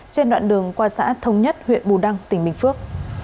trên đoạn đường qua xã thống nhất huyện bù đăng tỉnh bình phước